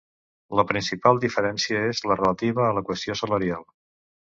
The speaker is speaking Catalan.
La principal diferència és la relativa a la qüestió salarial.